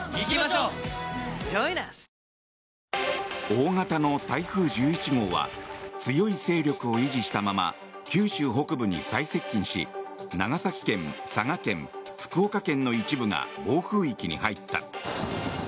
大型の台風１１号は強い勢力を維持したまま九州北部に最接近し長崎県、佐賀県、福岡県の一部が暴風域に入った。